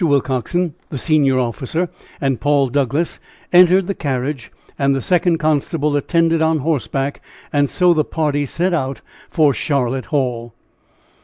Willcoxen, the senior officer and Paul Douglass entered the carriage, and the second constable attended on horseback, and so the party set out for Charlotte Hall.